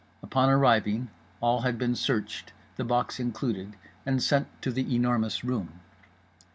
Upon arriving, all had been searched, the box included, and sent to The Enormous Room.